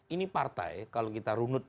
ini partai kalau kita runut